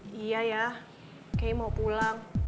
kay juga mau pulang atau tidak kay